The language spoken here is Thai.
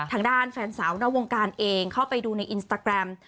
ทางด้านแฟนสาวนอกวงการเองเข้าไปดูในอินสตาแกรม